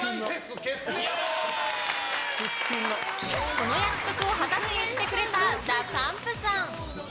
この約束を果たしに来てくれたＤＡＰＵＭＰさん。